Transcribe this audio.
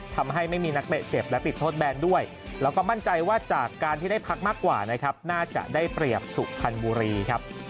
ทำให้ไม่มีนักเตะเจ็บและติดโทษแบนด้วยแล้วก็มั่นใจว่าจากการที่ได้พักมากกว่านะครับน่าจะได้เปรียบสุพรรณบุรีครับ